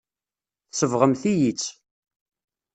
Tsebɣemt-iyi-tt.